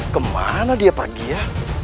kemana dia pergi ya